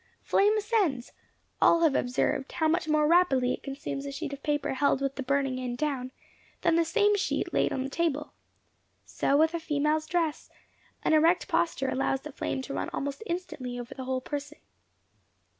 [#][#] Flame ascends. All have observed how much more rapidly it consumes a sheet of paper held with the burning end down, than the same sheet laid on the table. So with a female's dress; an erect posture allows the flame to run almost instantly over the whole person.